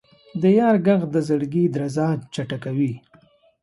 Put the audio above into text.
د یار ږغ د زړګي درزا چټکوي.